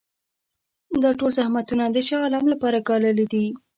دا ټول زحمتونه د شاه عالم لپاره ګاللي دي.